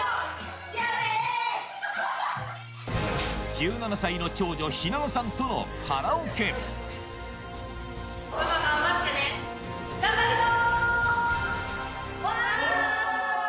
１７歳の長女妃奈乃さんとのカラオケわぁ！